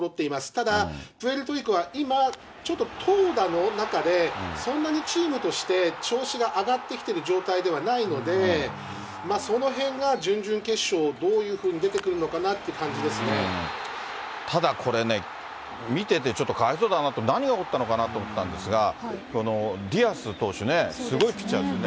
ただ、プエルトリコは今、ちょっと投打の中で、そんなにチームとして調子が上がってきてる状態ではないので、そのへんが準々決勝、どういうふうに出てくるのかなとただ、これね、見ててちょっとかわいそうだなと、何が起こったのかなと思ったんですけれども、このディアス投手ね、すごいピッチャーですよね。